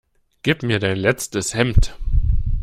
Gib mir dein letztes Hemd!